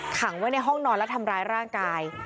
ขังไว้ในห้องนอนและทำร้ายร่างกาย